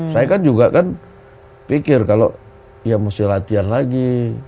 saya kan juga kan pikir kalau ya mesti latihan lagi